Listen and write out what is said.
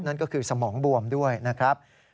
นั่นก็คือสมองบวมด้วยนะครับ